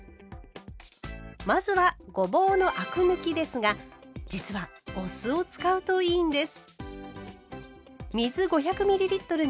まずはごぼうのアク抜きですが実はお酢を使うといいんです。